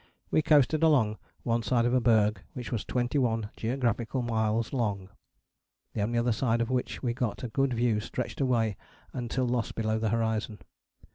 we coasted along one side of a berg which was twenty one geographical miles long: the only other side of which we got a good view stretched away until lost below the horizon.